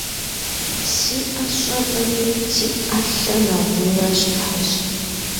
Си ӏэ сщӏэркъыми, си ӏэлъэ нэгъунэ щтащ.